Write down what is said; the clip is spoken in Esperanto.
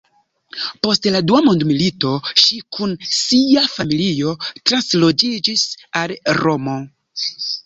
Post la dua mondmilito ŝi kun sia familio transloĝiĝis al Romo.